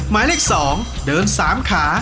ไม้เลข๒เดิน๓ขา